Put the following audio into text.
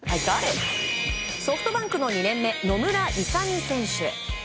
ソフトバンクの２年目野村勇選手。